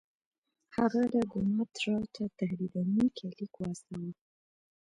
هغه راګونات راو ته تهدیدونکی لیک واستاوه.